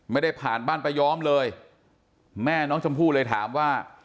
ไม่ได้ผ่านบ้านป้ายอมเลยแม่น้องชมพู่เลยถามว่า